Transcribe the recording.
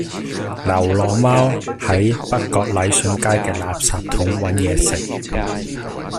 流浪貓喺北角禮信街嘅垃圾桶搵野食